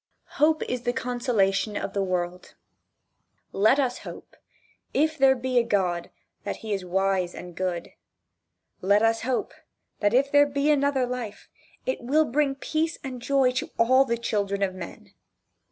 Hope is the consolation of the world. Let us hope, if there be a God that he is wise and good. Let us hope that if there be another life it will bring peace and joy to all the children of men.